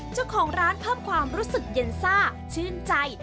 เจ้าของร้านเพิ่มความรู้สึกเย็นซ่าชื่นใจ